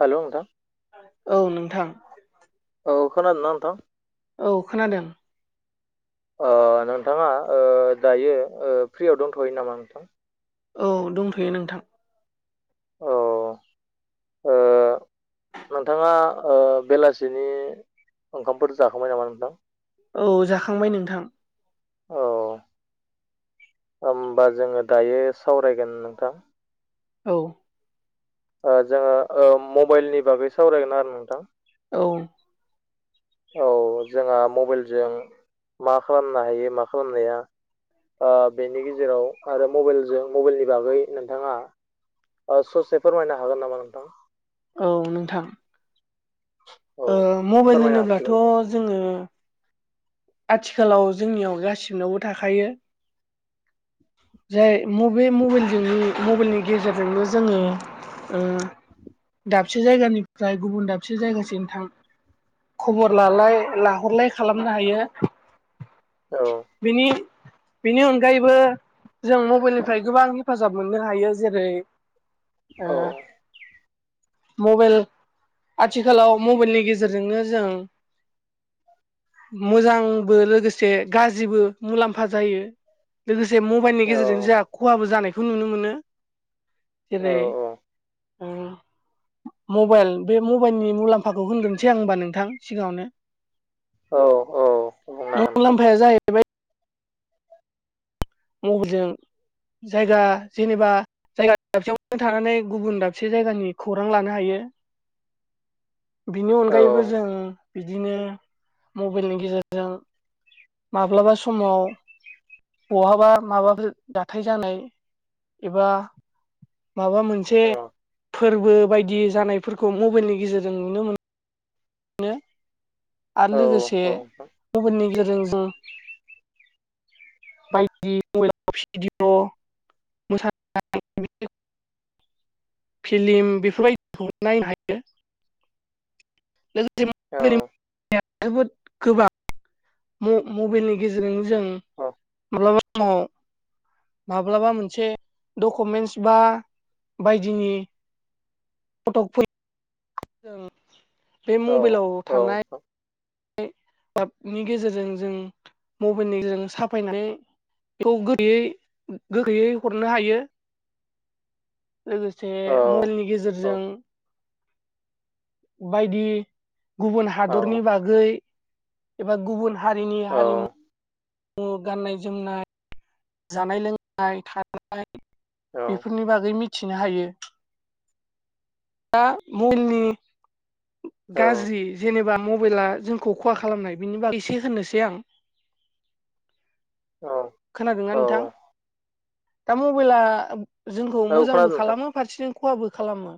हेल' नोंथां। औ नोंथां। औ खोनादों ना नोंथां? औ खोनादों। ओ नोंथाङा ओ दायो ओ फ्रियाव दोनथ'यो नामा नोंथां? औ दंथ'यो नोंथां औ ओ नोंथाङा ओ बेलासिनि ओंखामफोर जाखांबाय नामा नोंथां औ जाखांबाय नोंथां औ होमबा जोङो दायो सावरायगोन नोंथां। औ ओ जोङो ओ मबाइलनि बागै सावरायगोन आरो नोंथां। औ औ जोंहा मबाइलजों मा खालामनो हायो मा खालामनोहाया ओ बेनि गेजेराव आरो मबाइलजों मबाइलनि बागै नोंथाङा ओ‌ ससे फोरमायनो हागोन नामा नोंथां। औ नोंथां। औ ओ मबाइल फोरमायनो होनोब्लाथ' हासिगोन जोङो आथिखालाव जोंनियाव गासिनावबो थाखायो। जाय मबे मबाइलजों मबाइलनि गेजेरजोंनो जोङो ओ दाबसे जायगानिफ्राय गुबुन दाबसे जायगासिम थां खबर लालाय लाहरलाय खालामनो हायो। नोंथां औ बिनि बिनि अनगायैबो जों मबाइलनिफ्राय गोबां हेफाजाब मोननो हायो जेरै ओ औ मबाइल आथिखालाव मबाइलनि गेजेरजोंनो जों मोजांबो लोगोसे गाज्रिबो मुलाम्फा जायो। लोगोसे मबाइल गेजेरजों जोंहा खहाबो जानायखौ नुनो मोनो औ जेरै [unintelligible] मबाइल बे मबाइलनि मुलाम्फाखौ होनग्रोनसै आं होनबा नोंथां सिगाङावनो औ बुंनो हागोन नोंथां मुंलाम्फाया जाहैबाय मबाइल जों जायगा जेनेबा जायगा दाबसेयावनो थानानै गुबुन दाबसे जायगानि खौरां लानो हायो। [unintelligible] [unintelligible] बिनि औ अनगायैबो जों बिदिनो मबाइलनि गेजेरजों माब्लाबा समाव बहाबा माबाफोर जाथाय जानाय एबा माबा मोनसे औ फोरबो बायदि जानायफोरखौ मबाइलनि गेजेरजों नुनो मोनो। नो औ आरो लोगोसे औ नोंथां मबाइलनि गेजेरजों जों [inaudible] बायदि मबाइल आव पिडिअ' मोसानाय भिडिअ' फिलिम बेफोरबायदिखौ नायनो हायो। औ जोबोद गोबां म-मबाइलनि गेजेरजोंनो जों औ औ नोंथां औ माब्लाबा समान माब्लाबा मोनसे डकुमेन्स बा बायदिनि फटक फो जों बे औ मबाइलाव औ थानाय नाम नि गेजेरजों जों मबाइलनि गेजेरजों साफायनानै बेखौ गोरलैयै गोरलैयै हरनो हायो। [inaudible] लोगोसे मबाइलनि खोनादों नोंथां औ औ गेजेरजों बायदि गुबुन औ हादरनि बागै एबा गुबुन हारिनि औ हारिमु [unintelligible] गाननाय जोमनाय जानाय लोंनाय थानाय बेफोरनि बागै मि थिनो हायो [unintelligible] गाज्रि जेनेबा मबाइला जोंखौ खहा खालामनाय बिनि [unintelligible] एसे होननोसै आं औ खोनादोंना नोंथां दा मबाइला जोंखौ मोजांबो खालामो फारसेथिं खहाबो खालामो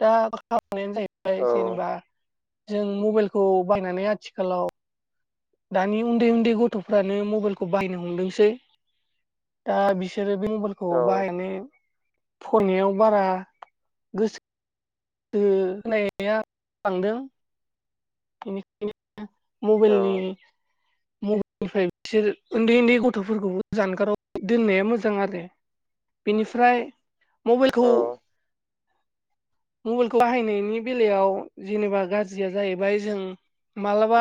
दा [unintelligible] [unintelligible] जाहैबाय जेनेबा जों मबाइलखौ बायनानै आथिखालाव दानि उन्दै उन्दै गथ'फ्रानो मबाइलखौ बायनो हमदोंसै दा बिसोरो बे मबाइलखौ बाहायनानै फरायनायाव बारा गोसो दो होनाया बांदों इनिखायनो मबेल [unintelligible] निफ्राय बिसोर उन्दै उन्दै गथ'फोरखौबो जानगाराव दोननाया मोजां आरो बिनिफ्राय मबाइलखौ मबेलखौ बाहायनायनि बेलायाव जेनेबा गाज्रिया जाहैबाय जों माब्लाबा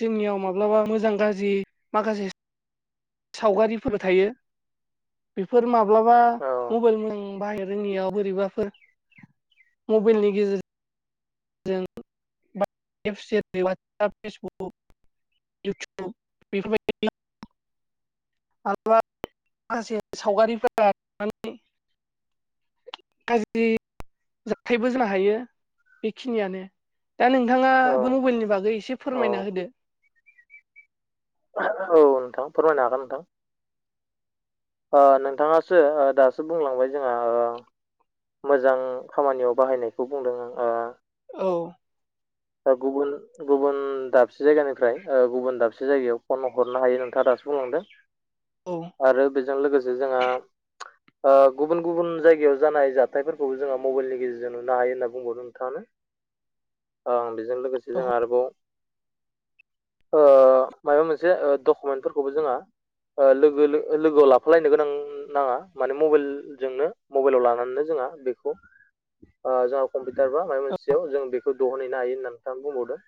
जोंनियाव माब्लाबा मोजां गाज्रि माखासे सावगारिफोरबो थायो बेफोर माब्लाबा मबेइल मोजां बाहाय जोंनियाव बोरैबाफोर मबेलनि गेजेर जों [unintelligible] वाटसाप फेसबुक इउटुब बेफोर बायदि [unintelligible] मालाबा माखासे सावगारिफोरा [unintelligible] गाज्रि जाथायबो जाहैयो बेखिनियानो दा औ नोंथाङाबो मबेलनि बागै एसे औ फोरमायना होदो [unintelligible] औ नोंथां फोरमायनो हागोन नोंथां ओ नोंथाङासो ओ दासो बुंलांबाय जोंहा ओ मोजां खामानियाव बाहायनायखौ बुंदों आं ओ औ ओ गुबुन गुबुन-दाबसे जायगानिफ्राय ओ गुबुन दाबसे जायगायाव फन हरनो हायो नोंथाङा दा [unintelligible] बुंलांदों औ आरो बेजों लोगोसे जोंहा ओ गुबुन गुबुन जायगायाव जानाय जाथायफोरखौबो जोङो मबेलनि गेजेरजों नुनो हायो होनना बुंबावदो नोंथाङानो ओं बेजों लोगोसे जों आरोबाव ओ माबा मोनसे ओ डकुमेन्टफोरखौबो जोंहा ओ लोगो लो-लोगोआव लाफालायनो गोनां नांङा माने मबाइलजोंनो मबाइलाव लानानैनो जों [unintelligible] बेखौ ओ जाहा [unintelligible] टार बा माबा मोनसेयाव जों बेखौ दहनहैनो हायो होननानै नोंथांङा बुंबावदों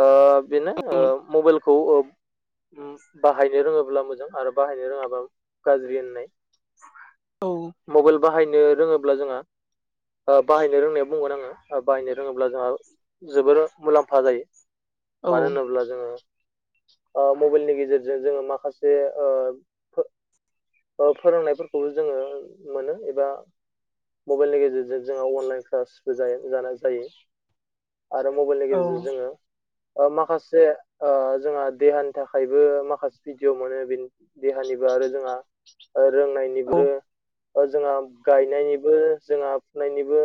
ओ बेनो ओ औ मबेलखौ ओ उम बाहायनो रोङोब्ला मोजां आरो बाहायनो रोङाब्ला गाज्रि होननाय औ मबेल बाहायनो रोङोब्ला जोंहा ओ बाहायनो रोंनाया बुंगोन आङो बाहायनो रोङो होनब्ला जोंहा जोबोर मुलाम्फा जायो औ मानो होनोब्ला जोङो ओ मबेलनि गेजेरजों जोङो माखासे ओ फोर ओ फोरोंनायफोरखौबो जोंङो मोनो एबा मबेलनि गेजेरजों जोंहा अनलाइन क्लासबो जा-जानाय जायो आरो मबेलनि औ गेजेरजों जोङो ओ माखासे ओ जोंहा देहानि थाखायबो माखासे भिडिय' मोनो बेनि देहा हानिबो आरो जोंहा ओ रोंनायनिब्रो ओ जोंहा गायनायनिबो जोंहा फुनायनिबो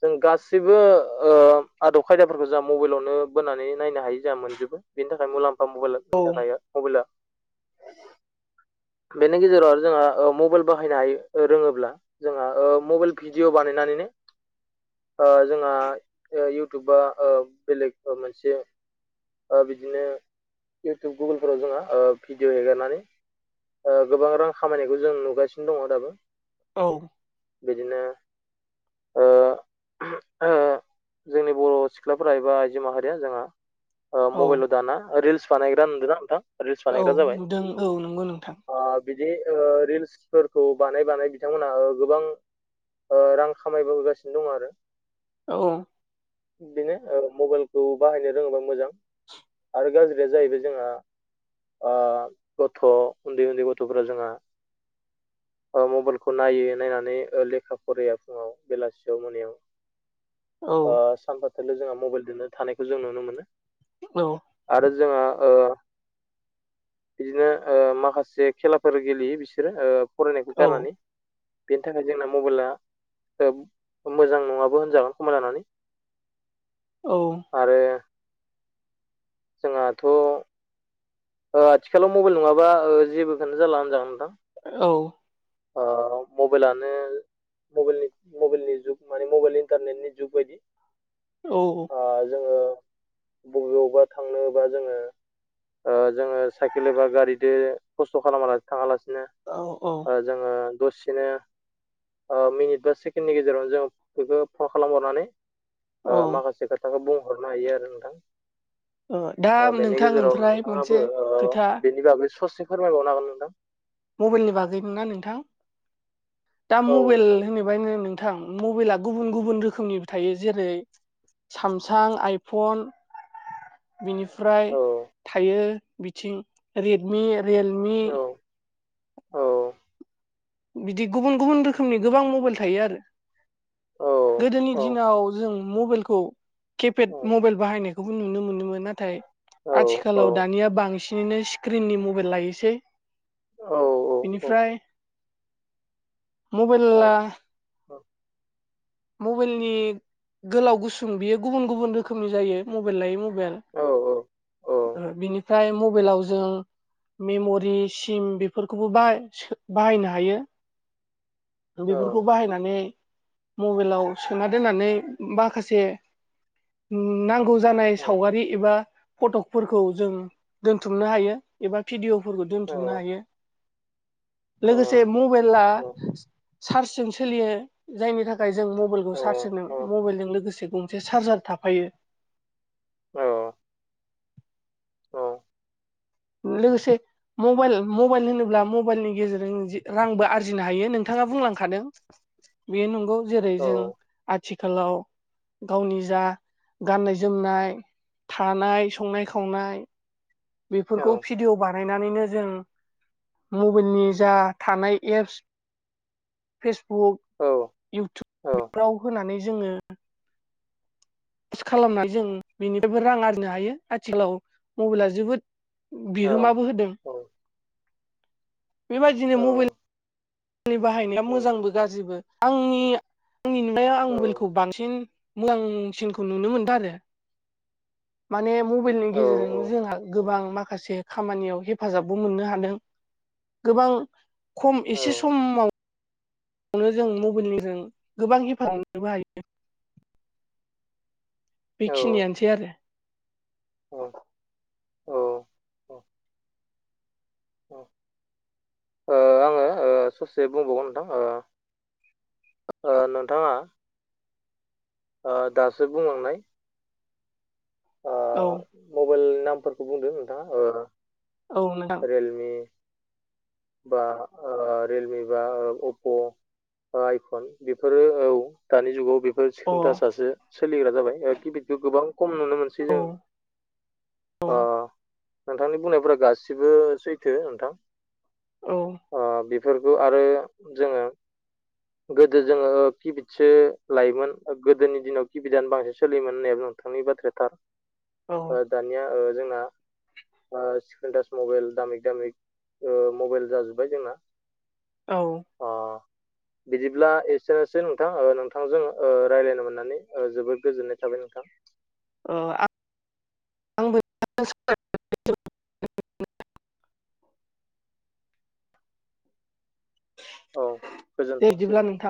जों गासैबो ओ आदब खायदाफोरखौ जों मबाइलावनो बोनानै नायनो हायो। जों मोनजोबो बेनि थाखाय मुलामफा बा मबाइलावनो थाखायो मबाइला बेनि गेजेराव आरो जोंहा ओ‌ मबाइल बाहायनो हायो। ओ रोङोब्ला जोंहा ओ मबाइल भिडिय' बानायनानैनो ओ जोंहा। ओ इउटुबा ओ बेलेग मोनसे ओ बिदिनो इउटुब गुगोलफोराव जोंहा ओ भिडिअ' हेगारनानै। ओ गोबां रां खामायनायखौ जों नुगासिनो दं दाबो। औ बिदिनो ओ ओ जोंनि बर' सिख्लाफोरा एबा आइजो माहारिया जोंहा ओ औ मबाइलाव दाना रिलस बानायग्रा नुदों ना नोंथां? रिल्स औ बानायग्रा जाबाय नुदों। औ नंगौ नोंथां। ओ बिदि ओ रिल्सफोरखौ बानाय बानाय बिथां मोन ओ गोबां ओ रां खामाय बोगासिनो दं आरो। औ औ बेनो ओ मबाइलखौ बाहायनो रोङोबा मोजां । आरो गाज्रिया जाहैबाय जोंहा आं गथ' उन्दै उन्दै गथ'फोरा जोङा ओ मबाइलखौ नायो। नायनानै ओ लेखा फराया फुङाव बेलासियाव मोनायाव औ ओ सानफा थोलो जोंहा मबाइल दोननो थानायखौ जों नुनो मोनो। नौ आरो जोंहा ओ बिदिनो ओ माखासे खेलाफोर गेलेयो‌ बिसोरो ओ फरायनायखौ औ गारनानै। बेनि थाखाय जोंना मबाइला ओ मोजां नङाबो होनजागोन। ज'मा जानानै औ आरो जोंहाथ' ओ आथिखालाव मबाइल नङाबा ओ जेबोखौनो जाला होनजागोन नोंथां। औ ओ मबाइलानो बलनि मबेलनि जुग माने मबाइल इन्टारनेटनि जुग बादि औ औ जोङो बबेयावबा थांनोबा जोङो। ओ जोङो साइकेल एबा गारिदो खस्थ' खालामानो थाङा लासि औ औ ओ जोङो दसेनो ओ मिनिट बा सेकेणडनि गेजेरावनो जों बेखौ फन खालामहरनानै। ओ औ माखासे खोथाखौ बुंहरनो हायो आरो नोंथां। दा ओ बेनि नोंथां गेजेराव ओमफ्राय मोनसे नोंथाङाबो ओ खोथा बेनि बागै ससे फोरमायबावनो हागोन नोंथां। मबाइलनि बागै मोनना नोंथां। दा औ मबाइल नोंथां होनहैबानो मोनो थां मबाइला गुबुन गुबुन रोखोमनि थायो। जेरै सामसां, आइफन बिनिफ्राय थायो बिथिं रेडमि, रियेलमि औ बिदि गुबुन गुबुन रोखोमनि गोबां मबाइल थायो आरो। औ गोदोनि औ दिनाव जों मबाइलखौ केपेड मबाइल बाहायनायखौबो नुनो मोनोमोन। नाथाय औ आथिखालाव दानिया बांसि नि नो सिक्रिननि मबाइल लायोसै। औ औ निफ्राय औ मबेला मबाइलनि गोलाव गुसुं बियो गुबुन गुबुन रोखोमनि जायो मबाइल लायै मबाइल‌। औ औ बिनिफ्राय मबाइलाव जों मेमरि सिम बेफोरखौबो बाहाय बाहायनो हायो। औ बेफोरखौ बाहायनानै मबाइलाव सोना दोननानै माखासे नांगौ गौ जानाय सावगारि एबा फटकफोरखौ जों दोनथुमनो हायो एबा भिदिअ फोरखौ दोनथुमनो औ औ हायो। औ लोगोसे मबाइला औ चार्चजों सोलियो जायनि थाखाय खाय जों मबाइलखौ चार्ज होनो औ मबाइलजों लोगोसे गंसे चार्जार थाफायो। औ अ लोगोसे मबाइल मबाइल होनोब्ला मबाइलनि गेजेरजों रांबो आरजि जिनो हायो नोंथाङा बुंलांखादों बेयो नंगौ जेरै जों आथिखालाव गावनि जा गाननाय जोमनाय थानाय संनाय खावनाय बेफोरखौ भिडिअ बाना नायनानैनो जों मबाइलनि जा थानाय एप्स फेसबुक इउटुब बेफोराव होनानै जोङो खालामनानै जों बेनिफ्रायबो रां आरजिनो हायो आथिखालाव मबाइला जोबोद बिहोमाबो होदों बेबायदिनो मबाइल नि बाहायनाया मोजांबो गाज्रिबो आंनि आंनि नुनायाव आं मबाइलखौ बांसिन मोजांसिनखौ नुनो मोनदों आरो। माने मबाइलनि गेजेरजों जोंहा गोबां माखासे खामानियाव हेफाजाबबो मोननो हादों गोबां खम एसे सम बेनो जों मबाइलनिजों गोबां हेफाजनोबो हायो। औ बेखिनियानोसै आरो। औ औ औ औ आङो ससे बुंबावगोन नोंथां ओ नोंथाङा ओ दासो बुंलांनाय औ नि नामफोरखौ बुंदों नोंथाङा औ नोंथां रियेलमि बा रियेलमि बा अप्प' आइफन बेफोरो औ दानि जुगाव बे स्क्रिन टाच अ खन्था सासे सोलिग्रा जाबायिबिखौ गोबां खम नुनो सै औ जों औ ओ नोंथांनि बुंनायफोरा गासिबो सैथो नोंथां। औ ओ बेफोरखौ आरो जोङो गोदो जोङो किफिदसो लायोमोन गोदोनि दिनाव किफिदआनो बांसिन सोलियोमोन होनना नोंथांनि बाथ्राया औ थार दानिया जोंना स्क्रिन टाच मबाइल दामिक दामिक मबाइल जाजोब्बाय जोंना। औ अ बिदिब्ला एसेनोसै नोंथां नोंथांजों रायज्लायनो मोननानै जोबोद गोजोननाय थाबाय। नोंथां। ओ आं [unintelligible] औ गोजोनथोंसै नोंथां।